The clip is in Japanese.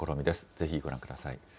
ぜひご覧ください。